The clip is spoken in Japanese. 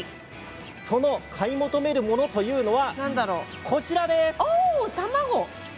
その買い求めるものというのはこちらです。